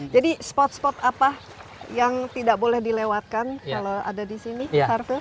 jadi spot spot apa yang tidak boleh dilewatkan kalau ada di sini tarve